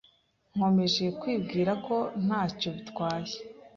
Nkomeje kwibwira ko ntacyo bitwaye.